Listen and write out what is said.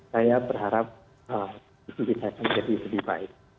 saya berharap itu bisa menjadi lebih baik